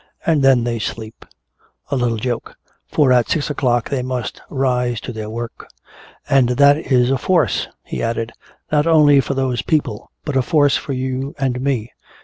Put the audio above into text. And then they sleep! A little joke! For at six o'clock they must rise to their work! And that is a force," he added, "not only for those people but a force for you and me.